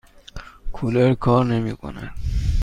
کولر کار نمی کند.